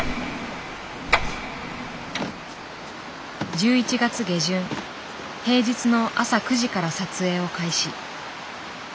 １１月下旬平日の朝９時から撮影を開始。